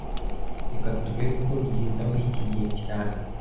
Reka turebe uko bigenda muriki gihe cyane